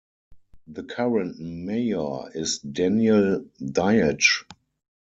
The current Mayor is Daniel Dietch.